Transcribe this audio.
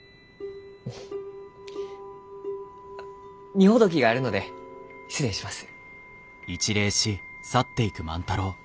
荷ほどきがあるので失礼します。